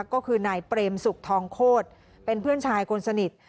ก็คือนายเปรมศุกร์ทองโคตรเป็นเพื่อนชายคนสนิท